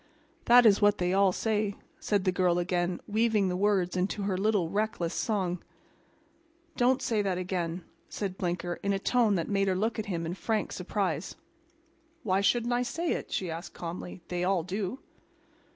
"That's what they all say," said the girl again, weaving the words into her little, reckless song. "Don't say that again," said Blinker in a tone that made her look at him in frank surprise. "Why shouldn't I say it?" she asked calmly. "They all do."